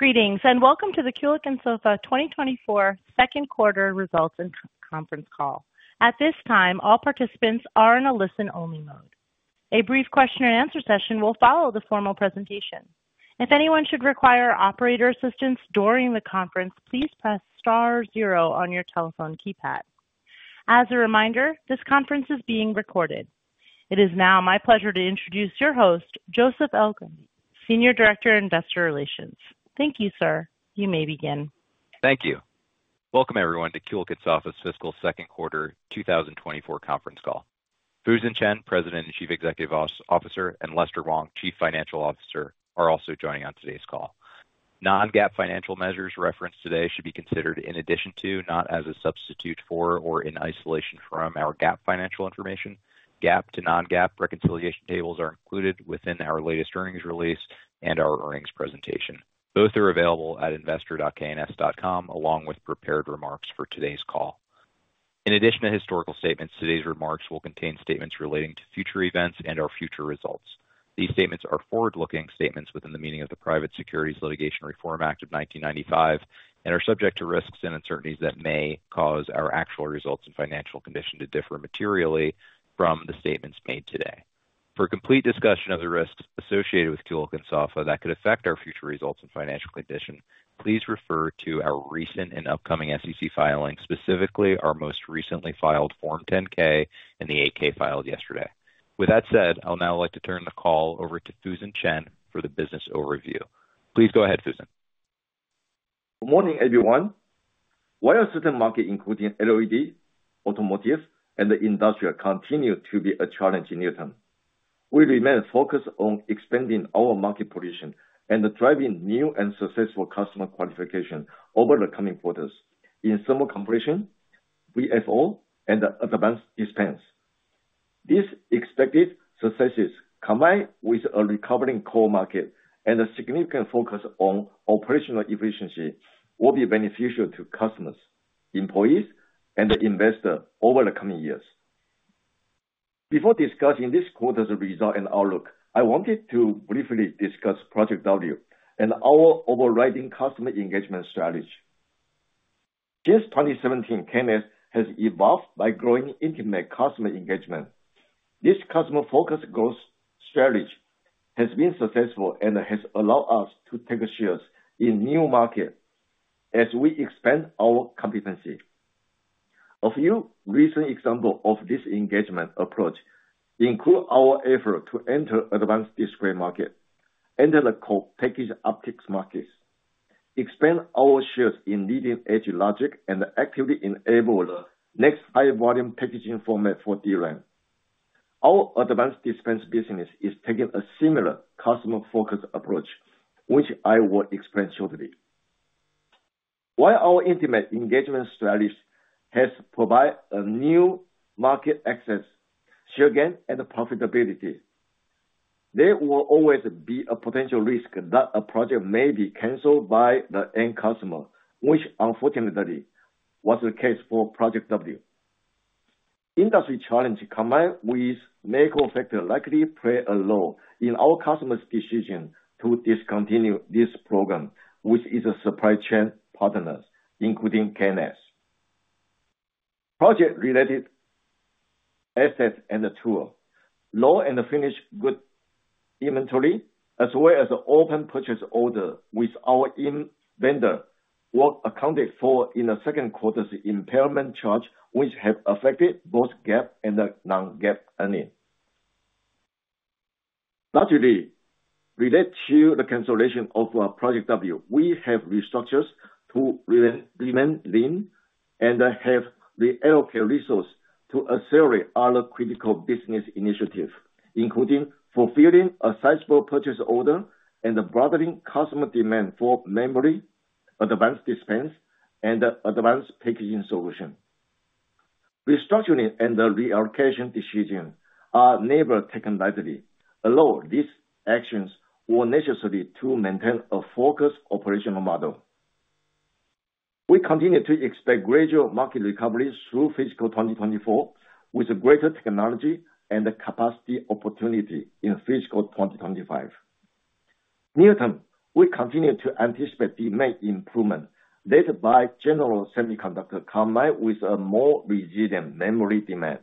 Greetings and welcome to the Kulicke & Soffa 2024 second quarter results and conference call. At this time, all participants are in a listen-only mode. A brief question-and-answer session will follow the formal presentation. If anyone should require operator assistance during the conference, please press star zero on your telephone keypad. As a reminder, this conference is being recorded. It is now my pleasure to introduce your host, Joseph Elgindy, Senior Director of Investor Relations. Thank you, sir. You may begin. Thank you. Welcome everyone to Kulicke & Soffa's fiscal second quarter 2024 conference call. Fusen Chen, President and Chief Executive Officer, and Lester Wong, Chief Financial Officer, are also joining on today's call. Non-GAAP financial measures referenced today should be considered in addition to, not as a substitute for, or in isolation from our GAAP financial information. GAAP to non-GAAP reconciliation tables are included within our latest earnings release and our earnings presentation. Both are available at investor.kns.com along with prepared remarks for today's call. In addition to historical statements, today's remarks will contain statements relating to future events and our future results. These statements are forward-looking statements within the meaning of the Private Securities Litigation Reform Act of 1995 and are subject to risks and uncertainties that may cause our actual results and financial condition to differ materially from the statements made today. For complete discussion of the risks associated with Kulicke & Soffa that could affect our future results and financial condition, please refer to our recent and upcoming SEC filing, specifically our most recently filed Form 10-K and the Form 8-K filed yesterday. With that said, I'll now like to turn the call over to Fusen Chen for the business overview. Please go ahead, Fusen. Good morning, everyone. While certain markets, including LED, automotive, and the industrial, continue to be a challenge in near term? We remain focused on expanding our market position and driving new and successful customer qualification over the coming quarters in Thermo-Compression, VFO, and Advanced Dispense. These expected successes, combined with a recovering core market and a significant focus on operational efficiency, will be beneficial to customers, employees, and investors over the coming years. Before discussing this quarter's result and outlook, I wanted to briefly discuss Project W and our overriding customer engagement strategy. Since 2017, K&S has evolved by growing intimate customer engagement. This customer-focused growth strategy has been successful and has allowed us to take shares in new markets as we expand our competency. A few recent examples of this engagement approach include our effort to enter advanced display market, enter the co-packaged optics markets, expand our shares in leading-edge logic, and actively enable the next high-volume packaging format for DRAM. Our Advanced Dispense business is taking a similar customer-focused approach, which I will explain shortly. While our intimate engagement strategy has provided a new market access, share gain, and profitability, there will always be a potential risk that a project may be canceled by the end customer, which unfortunately was the case for Project W. Industry challenges combined with macro factors likely play a role in our customers' decision to discontinue this program, which is a supply chain partner, including K&S. Project-related assets and the tools, raw and finished goods inventory, as well as open purchase orders with our vendor, were accounted for in the second quarter's impairment charge, which has affected both GAAP and non-GAAP earnings. Lastly, related to the cancellation of Project W, we have restructured to remain lean and have reallocated resources to accelerate other critical business initiatives, including fulfilling a sizable purchase order and broadening customer demand for memory, Advanced Dispense, and advanced packaging solutions. Restructuring and the reallocation decision are never taken lightly. Although these actions were necessary to maintain a focused operational model, we continue to expect gradual market recovery through fiscal 2024 with greater technology and capacity opportunity in fiscal 2025. Near term, we continue to anticipate demand improvement led by General Semiconductor combined with a more resilient memory demand.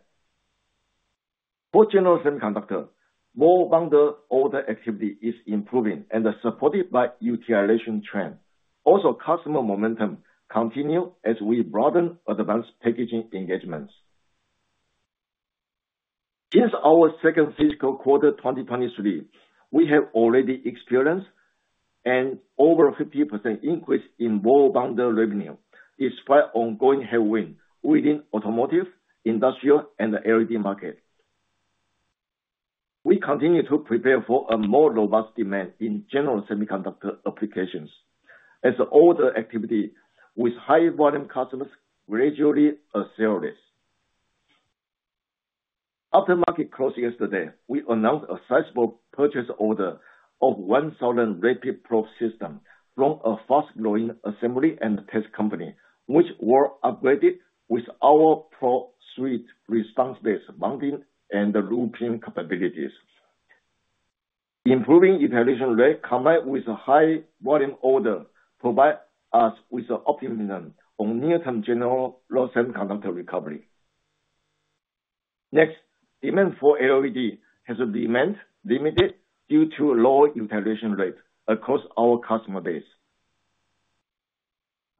For General Semiconductor, more of the order activity is improving and supported by utilization trend. Also, customer momentum continues as we broaden advanced packaging engagements. Since our second fiscal quarter 2023, we have already experienced an over 50% increase in ball bonder revenue despite ongoing headwinds within automotive, industrial, and LED markets. We continue to prepare for a more robust demand in General Semiconductor applications as order activity with high-volume customers gradually accelerates. After market closing yesterday, we announced a sizable purchase order of 1,000 RAPID Pro systems from a fast-growing assembly and test company, which were upgraded with our ProSuite response-based mounting and looping capabilities. Improving utilization rate combined with a high-volume order provides us with optimism on near-term General Semiconductor recovery. Next, demand for LED has remained limited due to low utilization rate across our customer base.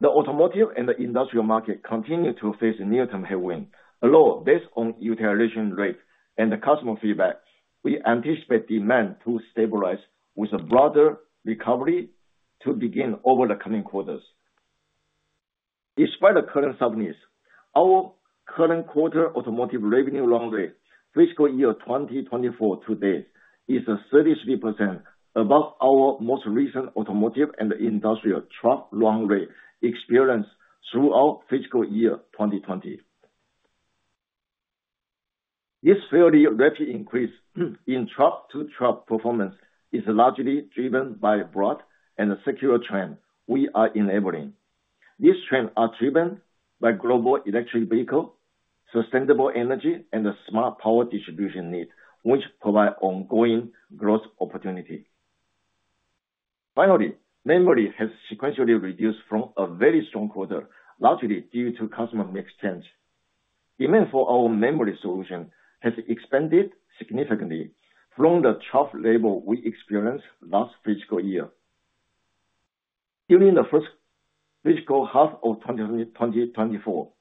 The automotive and the industrial market continue to face near-term headwinds. Although based on utilization rate and customer feedback, we anticipate demand to stabilize with a broader recovery to begin over the coming quarters. Despite the current softness, our current quarter automotive revenue run rate, fiscal year 2024 to date, is 33% above our most recent automotive and industrial trough run rate experienced throughout fiscal year 2020. This fairly rapid increase in trough-to-trough performance is largely driven by a broad and secular trend we are enabling. These trends are driven by global electric vehicle, sustainable energy, and smart power distribution needs, which provide ongoing growth opportunity. Finally, memory has sequentially reduced from a very strong quarter, largely due to customer mix change. Demand for our memory solution has expanded significantly from the trough level we experienced last fiscal year. During the first fiscal half of 2024,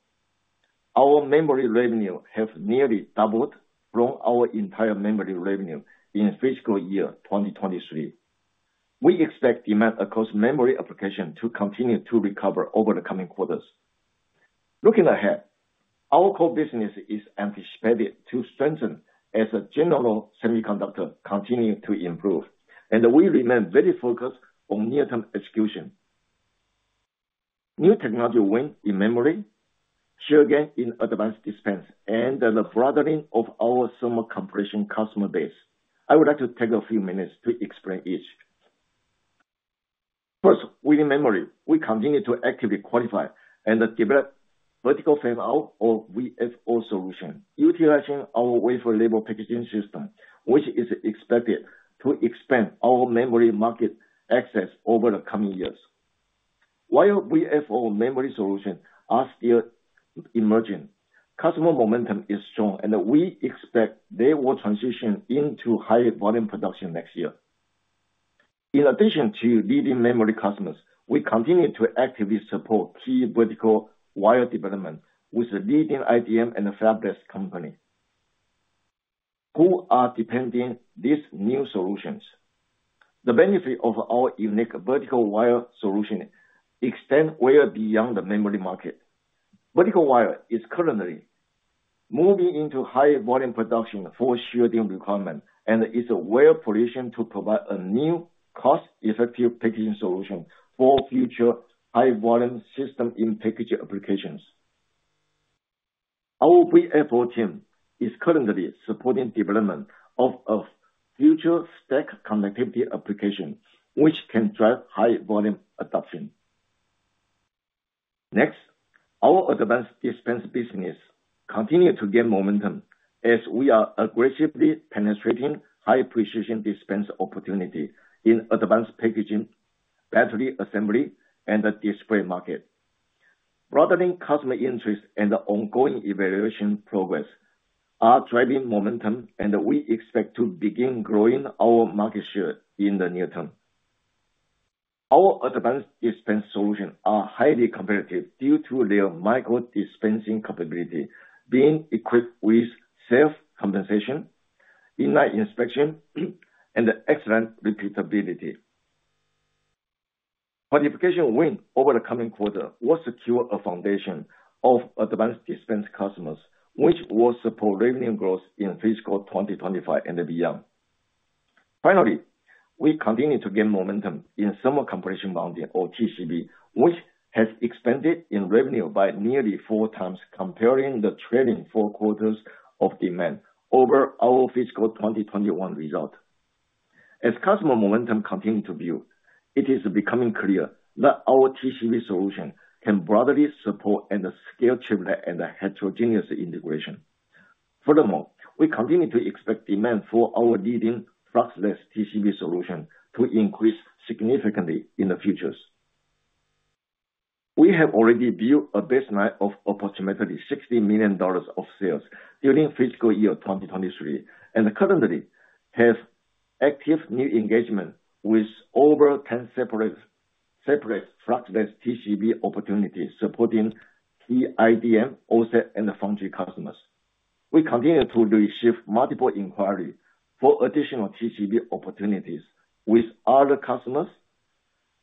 our memory revenue has nearly doubled from our entire memory revenue in fiscal year 2023. We expect demand across memory applications to continue to recover over the coming quarters. Looking ahead, our core business is anticipated to strengthen as General Semiconductor continues to improve, and we remain very focused on near-term execution. New technology wins in memory, share gain in Advanced Dispense, and the broadening of our Thermo-Compression customer base. I would like to take a few minutes to explain each. First, within memory, we continue to actively qualify and develop Vertical Fan-Out or VFO solutions, utilizing our Wafer Level Packaging system, which is expected to expand our memory market access over the coming years. While VFO memory solutions are still emerging, customer momentum is strong, and we expect they will transition into high-volume production next year. In addition to leading memory customers, we continue to actively support key vertical wire development with leading IDM and fabless companies. Who are depending on these new solutions? The benefit of our unique vertical wire solution extends well beyond the memory market. Vertical wire is currently moving into high-volume production for shielding requirements and is well positioned to provide a new cost-effective packaging solution for future high-volume System-in-Package applications. Our VFO team is currently supporting development of a future stack connectivity application, which can drive high-volume adoption. Next, our Advanced Dispense business continues to gain momentum as we are aggressively penetrating high precision dispense opportunities in advanced packaging, battery assembly, and display markets. Broadening customer interest and ongoing evaluation progress are driving momentum, and we expect to begin growing our market share in the near term. Our Advanced Dispense solutions are highly competitive due to their micro dispensing capability, being equipped with self-compensation, in-line inspection, and excellent repeatability. Qualification win over the coming quarter will secure a foundation of Advanced Dispense customers, which will support revenue growth in fiscal 2025 and beyond. Finally, we continue to gain momentum in Thermo-Compression Bonding or TCB, which has expanded in revenue by nearly four times, comparing the trailing four quarters of demand over our fiscal 2021 result. As customer momentum continues to build, it is becoming clear that our TCB solution can broadly support and scale chiplet and heterogeneous integration. Furthermore, we continue to expect demand for our leading Fluxless TCB solution to increase significantly in the future. We have already built a baseline of approximately $60 million of sales during fiscal year 2023 and currently have active new engagement with over 10 separate Fluxless TCB opportunities supporting key IDM, OSAT, and foundry customers. We continue to receive multiple inquiries for additional TCB opportunities with other customers.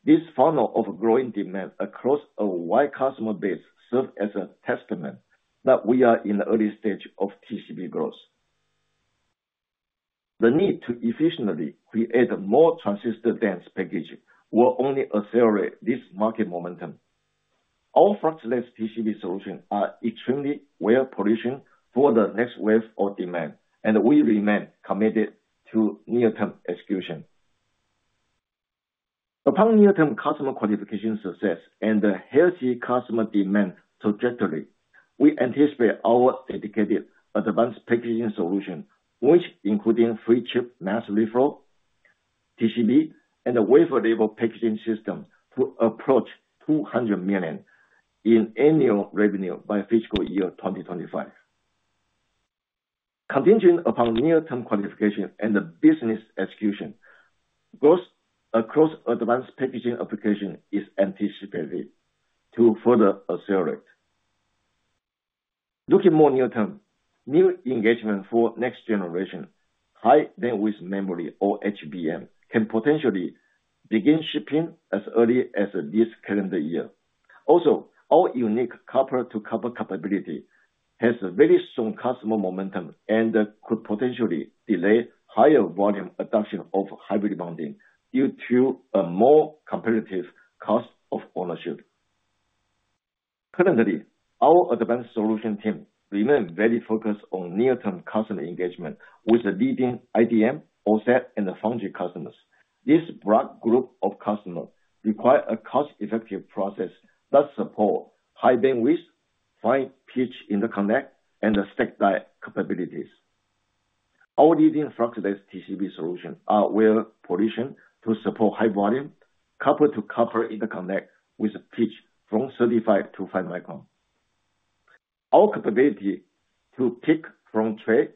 This funnel of growing demand across a wide customer base serves as a testament that we are in the early stage of TCB growth. The need to efficiently create more transistor-dense package will only accelerate this market momentum. Our Fluxless TCB solutions are extremely well positioned for the next wave of demand, and we remain committed to near-term execution. Upon near-term customer qualification success and healthy customer demand trajectory, we anticipate our dedicated advanced packaging solution, which includes flip-chip mass reflow, TCB, and Wafer Level Packaging systems, to approach $200 million in annual revenue by fiscal year 2025. Continuing upon near-term qualification and the business execution, growth across advanced packaging applications is anticipated to further accelerate. Looking more near term, new engagement for next generation, High-Bandwidth Memory or HBM, can potentially begin shipping as early as this calendar year. Also, our unique copper-to-copper capability has very strong customer momentum and could potentially delay higher volume adoption of hybrid bonding due to a more competitive cost of ownership. Currently, our advanced solution team remains very focused on near-term customer engagement with leading IDM, OSAT, and foundry customers. This broad group of customers requires a cost-effective process that supports high bandwidth, fine pitch interconnect, and stacked die capabilities. Our leading Fluxless TCB solutions are well positioned to support high-volume copper-to-copper interconnect with pitch from 35-5 microns. Our capability to pick from tray,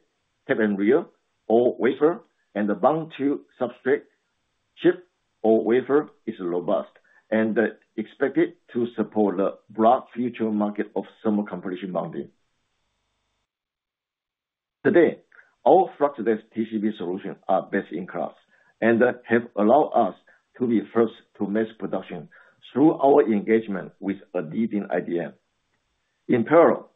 tape and reel, or wafer and bond to substrate, chip, or wafer is robust and expected to support the broad future market of Thermo-Compression mounting. Today, our Fluxless TCB solutions are best in class and have allowed us to be first to mass production through our engagement with a leading IDM. In parallel,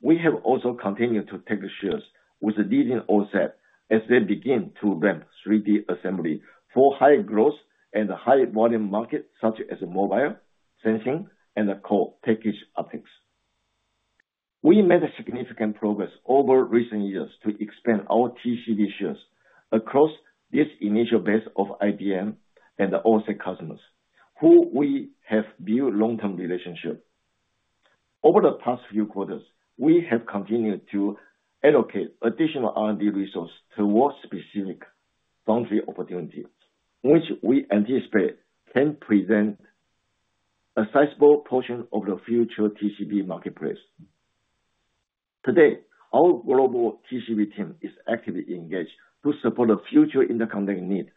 we have also continued to take shares with leading OSAT as they begin to ramp 3D assembly for high growth and high-volume markets such as mobile sensing and co-packaged optics. We made significant progress over recent years to expand our TCB shares across this initial base of IDM and OSAT customers, who we have built long-term relationships with. Over the past few quarters, we have continued to allocate additional R&D resources towards specific foundry opportunities, which we anticipate can present a sizable portion of the future TCB marketplace. Today, our global TCB team is actively engaged to support the future interconnect needs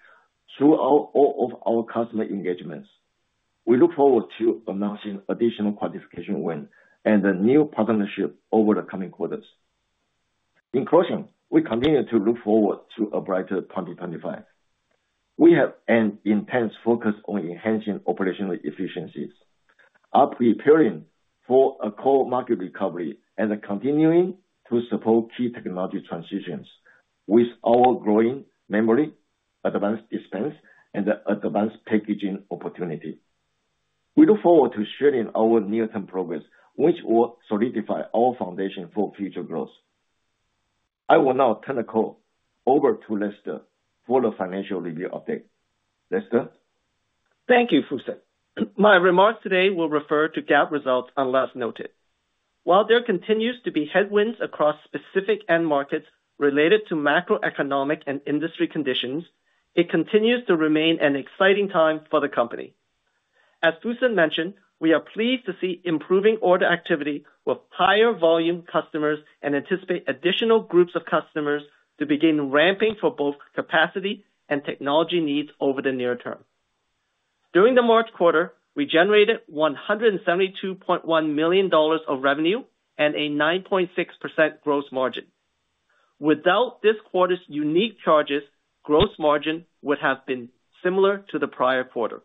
throughout all of our customer engagements. We look forward to announcing additional qualification win and a new partnership over the coming quarters. In closing, we continue to look forward to a brighter 2025. We have an intense focus on enhancing operational efficiencies, are preparing for a core market recovery, and continuing to support key technology transitions with our growing memory, Advanced Dispense, and advanced packaging opportunities. We look forward to sharing our near-term progress, which will solidify our foundation for future growth. I will now turn the call over to Lester for the financial review update. Lester? Thank you, Fusen. My remarks today will refer to GAAP results unless noted. While there continues to be headwinds across specific end markets related to macroeconomic and industry conditions, it continues to remain an exciting time for the company. As Fusen mentioned, we are pleased to see improving order activity with higher volume customers and anticipate additional groups of customers to begin ramping for both capacity and technology needs over the near term. During the March quarter, we generated $172.1 million of revenue and a 9.6% gross margin. Without this quarter's unique charges, gross margin would have been similar to the prior quarter.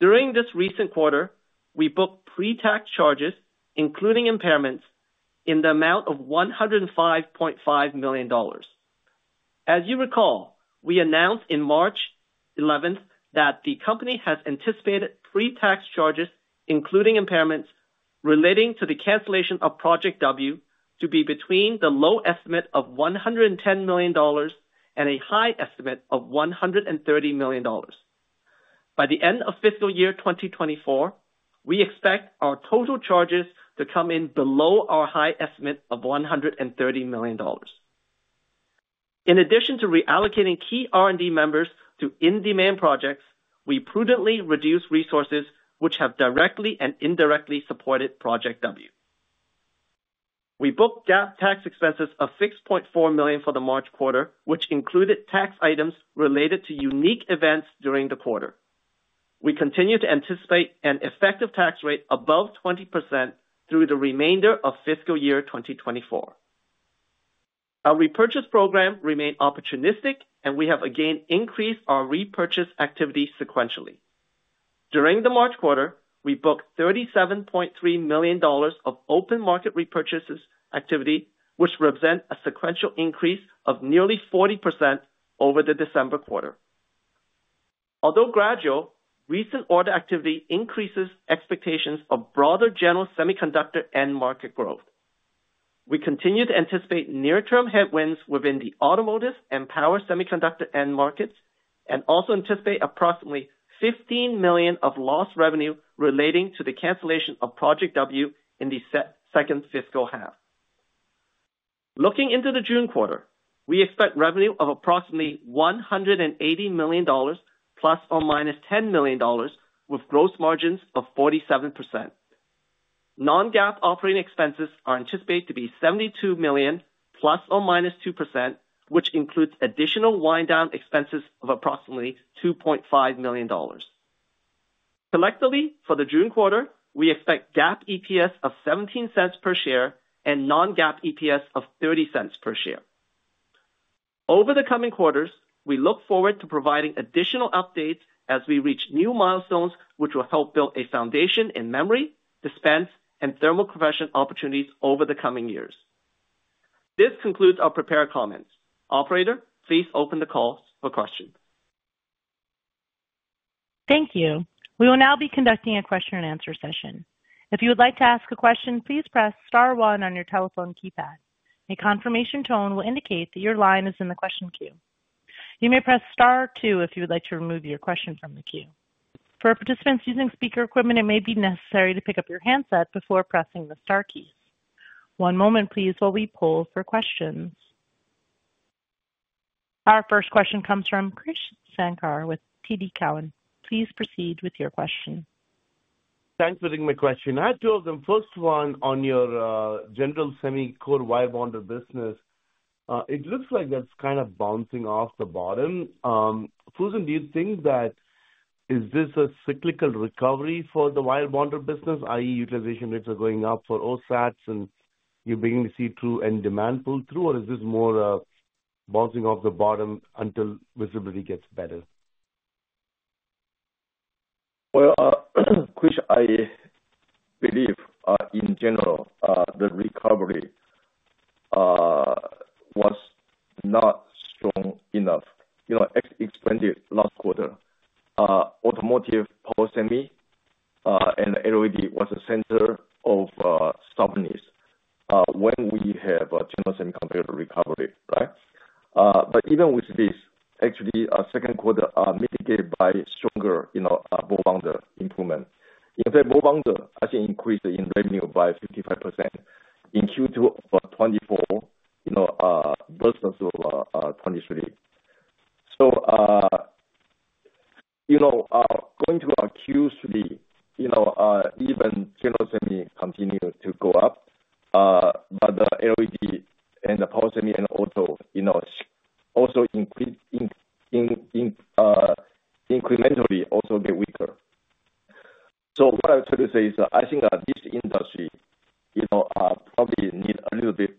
During this recent quarter, we booked pre-tax charges, including impairments, in the amount of $105.5 million. As you recall, we announced on March 11th that the company has anticipated pre-tax charges, including impairments relating to the cancellation of Project W, to be between the low estimate of $110 million and a high estimate of $130 million. By the end of fiscal year 2024, we expect our total charges to come in below our high estimate of $130 million. In addition to reallocating key R&D members to in-demand projects, we prudently reduced resources which have directly and indirectly supported Project W. We booked GAAP tax expenses of $6.4 million for the March quarter, which included tax items related to unique events during the quarter. We continue to anticipate an effective tax rate above 20% through the remainder of fiscal year 2024. Our repurchase program remained opportunistic, and we have again increased our repurchase activity sequentially. During the March quarter, we booked $37.3 million of open market repurchases activity, which represents a sequential increase of nearly 40% over the December quarter. Although gradual, recent order activity increases expectations of broader General Semiconductor end market growth. We continue to anticipate near-term headwinds within the automotive and power semiconductor end markets and also anticipate approximately $15 million of lost revenue relating to the cancellation of Project W in the second fiscal half. Looking into the June quarter, we expect revenue of approximately $180 million ±$10 million with gross margins of 47%. Non-GAAP operating expenses are anticipated to be $72 million ±2%, which includes additional wind-down expenses of approximately $2.5 million. Collectively, for the June quarter, we expect GAAP EPS of $0.17 per share and non-GAAP EPS of $0.30 per share. Over the coming quarters, we look forward to providing additional updates as we reach new milestones which will help build a foundation in memory, dispense, and Thermo-Compression opportunities over the coming years. This concludes our prepared comments. Operator, please open the call for questions. Thank you. We will now be conducting a question-and-answer session. If you would like to ask a question, please press star one on your telephone keypad. A confirmation tone will indicate that your line is in the question queue. You may press star two if you would like to remove your question from the queue. For participants using speaker equipment, it may be necessary to pick up your handset before pressing the star keys. One moment, please, while we poll for questions. Our first question comes from Krish Sankar with TD Cowen. Please proceed with your question. Thanks for taking my question. I have two of them. First one, on your General Semiconductor wire bonder business, it looks like that's kind of bouncing off the bottom. Fusen, do you think this is a cyclical recovery for the wire bonder business, i.e., utilization rates are going up for OSATs and you're beginning to see true end demand pull through, or is this more a bouncing off the bottom until visibility gets better? Well, Krish, I believe, in general, the recovery was not strong enough. Expected last quarter, automotive power semi and LED was a center of stubbornness when we have General Semiconductor recovery, right? But even with this, actually, second quarter mitigated by stronger ball bonder improvement. In fact, ball bonder, I think, increased in revenue by 55% in Q2 of 2024 versus 2023. So going to Q3, even general semi continued to go up, but the LED and the power semi and auto also incrementally also get weaker. So what I'm trying to say is I think this industry probably needs a little bit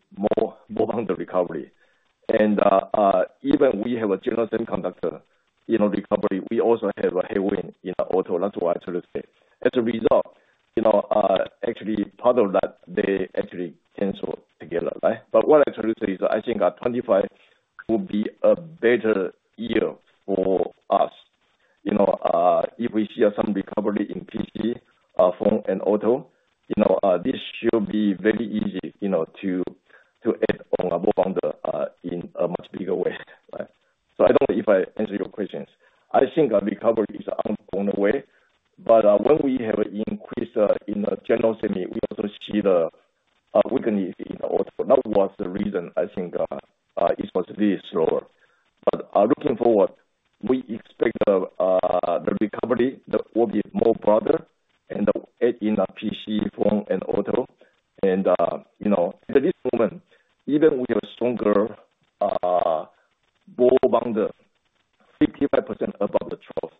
above the 12th,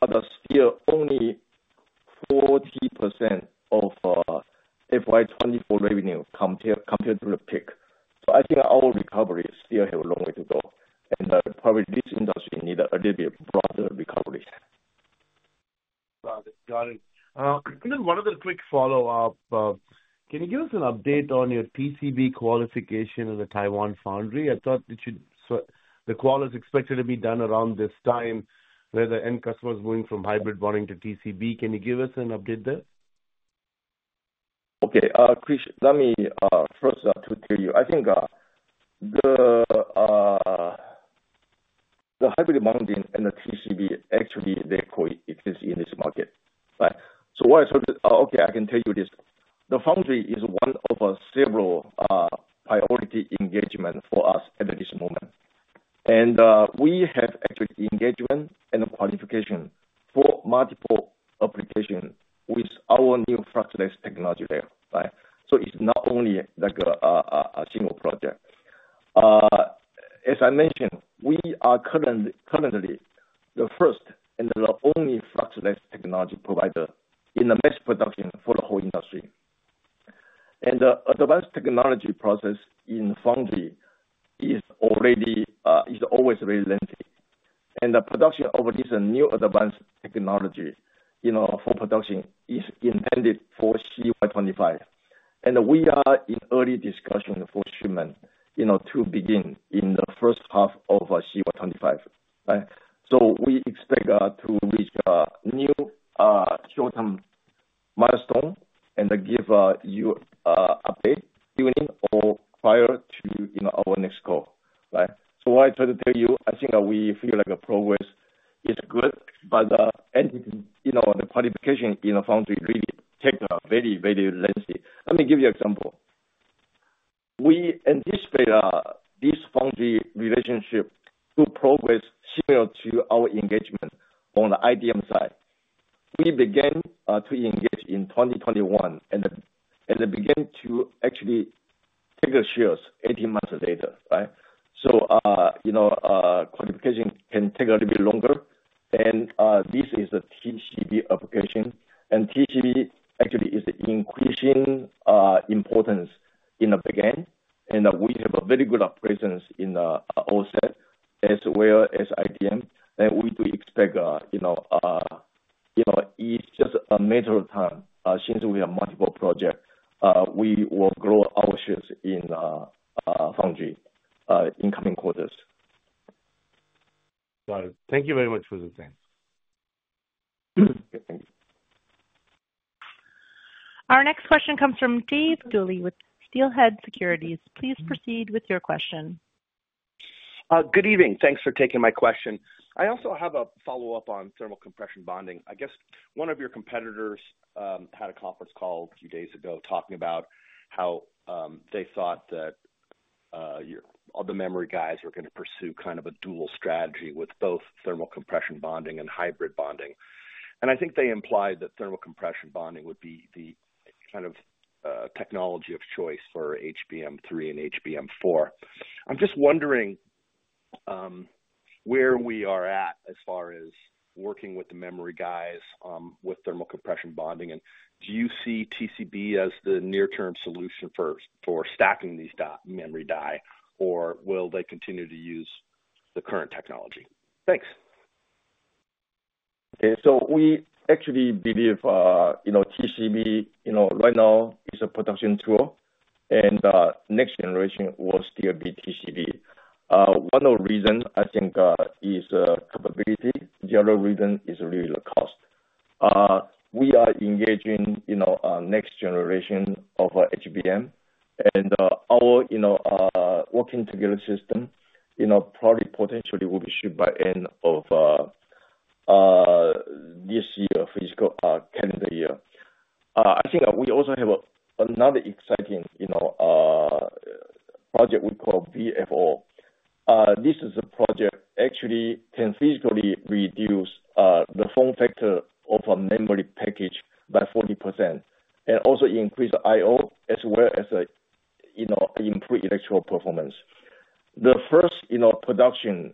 but still only 40% of FY 2024 revenue compared to the peak. I think our recovery still has a long way to go, and probably this industry needs a little bit broader recovery. Got it. Got it. And then one other quick follow-up. Can you give us an update on your PCB qualification in the Taiwan foundry? I thought the qual is expected to be done around this time where the end customer is moving from hybrid bonding to TCB. Can you give us an update there? Okay. Krish, let me first to tell you, I think the hybrid bonding and the TCB, actually, they coexist in this market, right? So what I said to okay, I can tell you this. The foundry is one of several priority engagements for us at this moment. We have actually engagement and qualification for multiple applications with our new fluxless technology there, right? So it's not only a single project. As I mentioned, we are currently the first and the only fluxless technology provider in the mass production for the whole industry. The advanced technology process in foundry is always very lengthy. The production of this new advanced technology for production is intended for CY 2025. We are in early discussion for shipment to begin in the first half of CY 2025, right? So we expect to reach a new short-term milestone and give you an update. Even prior to our next call, right? So what I try to tell you, I think we feel like progress is good, but the qualification in the foundry really takes a very, very lengthy. Let me give you an example. We anticipate this foundry relationship to progress similar to our engagement on the IDM side. We began to engage in 2021 and began to actually take the shares 18 months later, right? So qualification can take a little bit longer. This is the TCB application. TCB actually is increasing importance in the beginning. We have a very good presence in OSAT as well as IDM. We do expect it's just a matter of time. Since we have multiple projects, we will grow our shares in foundry in coming quarters. Got it. Thank you very much, Fusen. Thanks. Okay. Thank you. Our next question comes from Dave Duley with Steelhead Securities. Please proceed with your question. Good evening. Thanks for taking my question. I also have a follow-up on Thermo-Compression Bonding. I guess one of your competitors had a conference call a few days ago talking about how they thought that all the memory guys were going to pursue kind of a dual strategy with both Thermo-Compression Bonding and hybrid bonding. I think they implied that Thermo-Compression Bonding would be the kind of technology of choice for HBM3 and HBM4. I'm just wondering where we are at as far as working with the memory guys with thermo- compression bonding. Do you see TCB as the near-term solution for stacking these memory die, or will they continue to use the current technology? Thanks. Okay. So we actually believe TCB right now is a production tool, and next generation will still be TCB. One of the reasons, I think, is capability. The other reason is really the cost. We are engaging next generation of HBM, and our working together system probably potentially will be shipped by end of this year fiscal calendar year. I think we also have another exciting project we call VFO. This is a project actually can physically reduce the form factor of a memory package by 40% and also increase I/O as well as improve electrical performance. The first production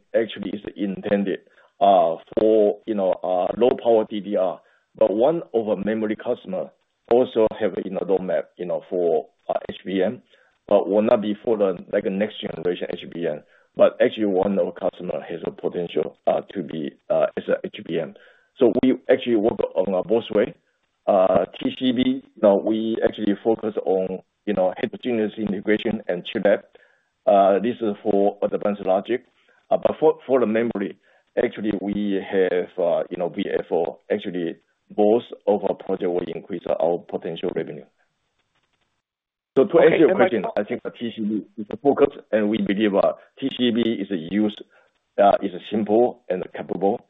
actually is intended for low-power DDR, but one of our memory customers also have a roadmap for HBM but will not be for the next generation HBM, but actually one of our customers has a potential to be as an HBM. So we actually work on both ways. TCB, we actually focus on heterogeneous integration and chiplet. This is for advanced logic. But for the memory, actually, we have VFO. Actually, both of our projects will increase our potential revenue. So to answer your question, I think TCB is a focus, and we believe TCB is a use is simple and capable.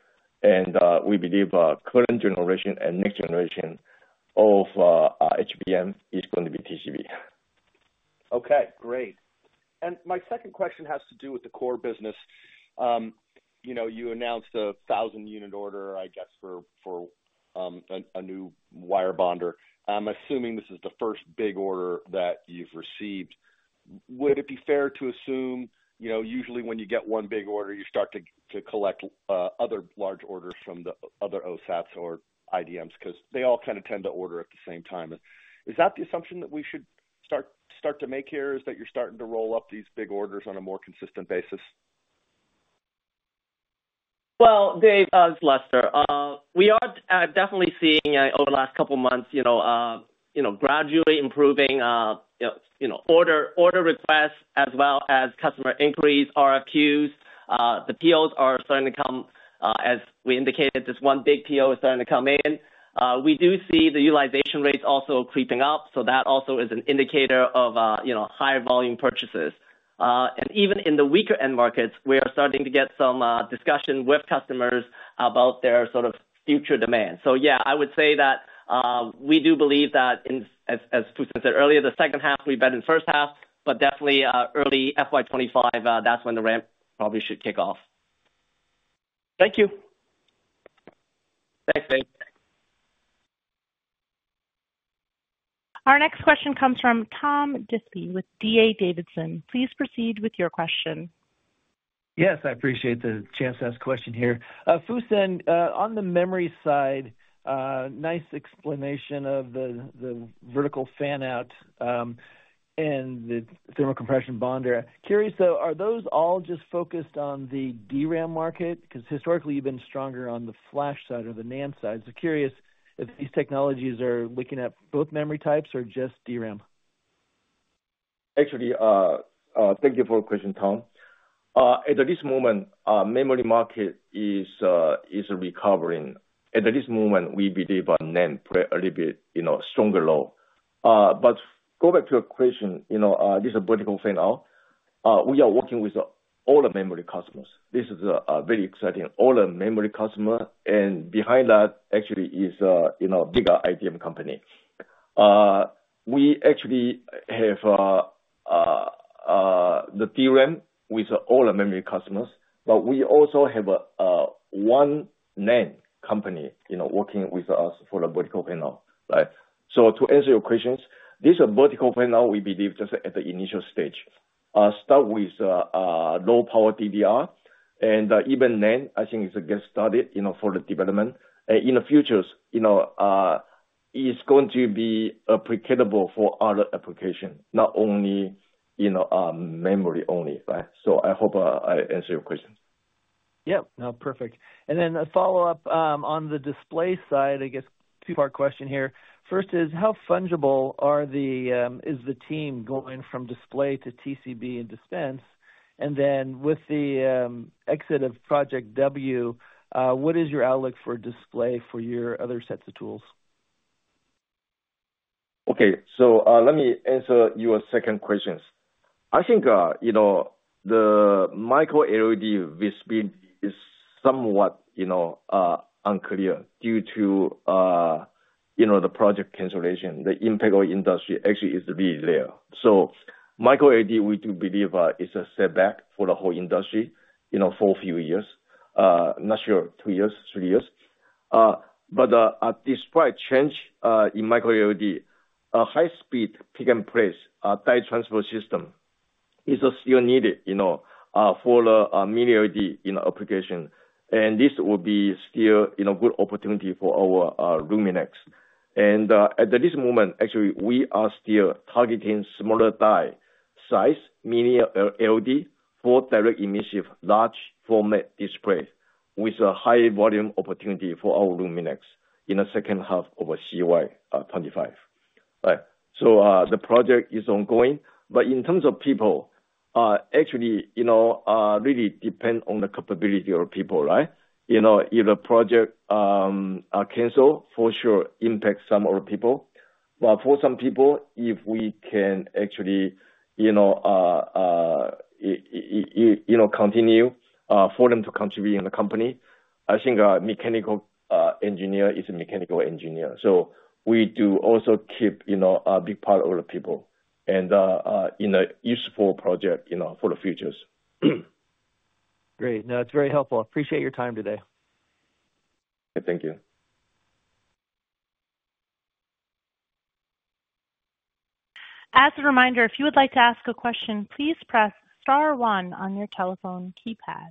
We believe current generation and next generation of HBM is going to be TCB. Okay. Great. And my second question has to do with the core business. You announced a 1,000-unit order, I guess, for a new wire bonder. I'm assuming this is the first big order that you've received. Would it be fair to assume usually when you get one big order, you start to collect other large orders from the other OSATs or IDMs because they all kind of tend to order at the same time? Is that the assumption that we should start to make here, is that you're starting to roll up these big orders on a more consistent basis? Well, Dave, that's Lester. We are definitely seeing over the last couple of months gradually improving order requests as well as customer inquiries, RFQs. The POs are starting to come, as we indicated, this one big PO is starting to come in. We do see the utilization rates also creeping up, so that also is an indicator of higher volume purchases. And even in the weaker end markets, we are starting to get some discussion with customers about their sort of future demand. So yeah, I would say that we do believe that, as Fusen said earlier, the second half will be better than the first half, but definitely early FY 2025, that's when the ramp probably should kick off. Thank you. Thanks, Dave. Our next question comes from Tom Diffely with D.A. Davidson. Please proceed with your question. Yes. I appreciate the chance to ask a question here. Fusen, on the memory side, nice explanation of the Vertical Fan-Out and the Thermo-Compression Bonder. Curious, though, are those all just focused on the DRAM market? Because historically, you've been stronger on the flash side or the NAND side. So curious if these technologies are looking at both memory types or just DRAM. Actually, thank you for the question, Tom. At this moment, memory market is recovering. At this moment, we believe NAND play a little bit stronger role. But go back to your question, this Vertical Fan-Out, we are working with all the memory customers. This is a very exciting all the memory customer, and behind that actually is a bigger IDM company. We actually have the DRAM with all the memory customers, but we also have one NAND company working with us for the Vertical Fan-Out, right? So to answer your questions, this Vertical Fan-Out, we believe just at the initial stage, start with low-power DDR, and even NAND, I think, is a get started for the development. And in the future, it's going to be applicable for other applications, not only memory only, right? So I hope I answered your question. Yeah. No, perfect. And then a follow-up on the display side, I guess, two-part question here. First is, how fungible is the team going from display to TCB and dispense? And then with the exit of Project W, what is your outlook for display for your other sets of tools? Okay. So let me answer your second questions. I think micro LED visibility is somewhat unclear due to the project cancellation. The impact on industry actually is really there. micro LED, we do believe is a setback for the whole industry for a few years. Not sure, two years, three years. But despite change micro LED, a high-speed pick-and-place die transfer system is still needed for the mini LED application. And this will be still a good opportunity for our LUMINEX. And at this moment, actually, we are still targeting smaller die size, mini LED for direct emissive large-format display with a high volume opportunity for our LUMINEX in the second half of CY 2025, right? So the project is ongoing. But in terms of people, actually, it really depends on the capability of people, right? If the project cancels, for sure, impacts some of the people. For some people, if we can actually continue for them to contribute in the company, I think mechanical engineer is a mechanical engineer. We do also keep a big part of the people and in a useful project for the futures. Great. No, it's very helpful. Appreciate your time today. Okay. Thank you. As a reminder, if you would like to ask a question, please press star one on your telephone keypad.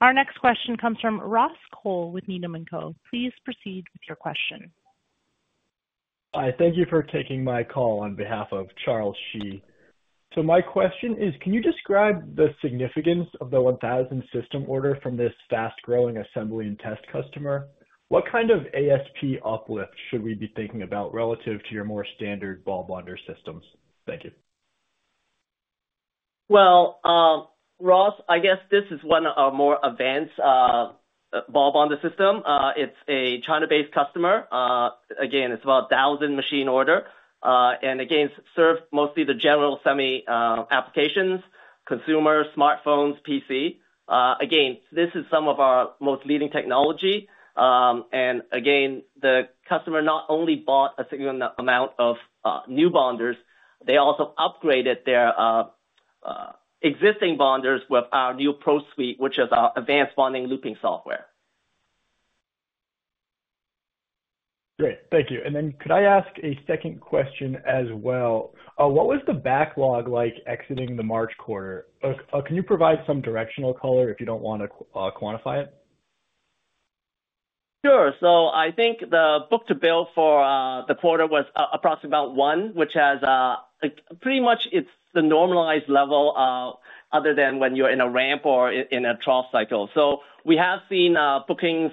Our next question comes from Ross Cole with Needham & Co. Please proceed with your question. Hi. Thank you for taking my call on behalf of Charles Shi. So my question is, can you describe the significance of the 1,000 system order from this fast-growing assembly and test customer? What kind of ASP uplift should we be thinking about relative to your more standard ball bonder systems? Thank you. Well, Ross, I guess this is one of our more advanced ball bonder systems. It's a China-based customer. Again, it's about a 1,000-machine order. And again, it serves mostly the general semi-applications, consumer, smartphones, PC. Again, this is some of our most leading technology. And again, the customer not only bought a significant amount of new bonders, they also upgraded their existing bonders with our new ProSuite, which is our advanced bonding looping software. Great. Thank you. And then could I ask a second question as well? What was the backlog like exiting the March quarter? Can you provide some directional color if you don't want to quantify it? Sure. So I think the book-to-bill for the quarter was approximately about one, which has pretty much, it's the normalized level other than when you're in a ramp or in a trough cycle. So we have seen bookings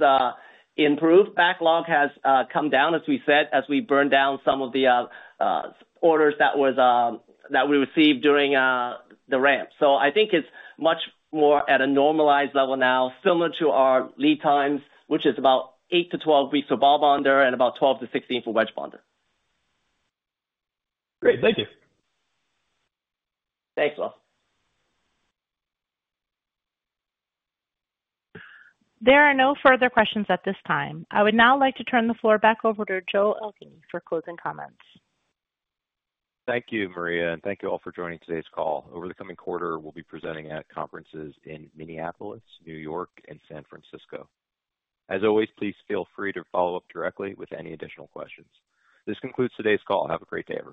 improve. Backlog has come down, as we said, as we burned down some of the orders that we received during the ramp. So I think it's much more at a normalized level now, similar to our lead times, which is about 8-12 weeks for ball bonder and about 12-16 for wedge bonder. Great. Thank you. Thanks, Ross. There are no further questions at this time. I would now like to turn the floor back over to Joe Elgindy for closing comments. Thank you, Maria, and thank you all for joining today's call. Over the coming quarter, we'll be presenting at conferences in Minneapolis, New York, and San Francisco. As always, please feel free to follow up directly with any additional questions. This concludes today's call. Have a great day everyone.